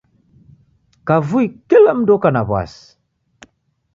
Kavui kila mndu oka na w'asi.